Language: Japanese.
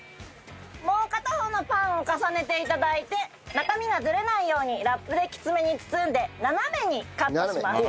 もう片方のパンを重ねて頂いて中身がずれないようにラップできつめに包んで斜めにカットします。